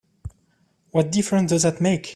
What difference does that make?